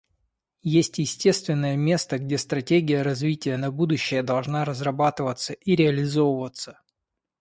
Есть естественное место, где стратегия развития на будущее должна разрабатываться и реализовываться.